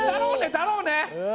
「だろうね」